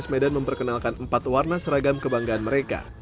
medan memperkenalkan empat warna seragam kebanggaan mereka